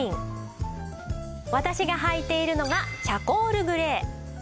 私がはいているのがチャコールグレー。